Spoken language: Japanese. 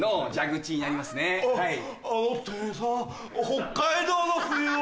北海道の冬を。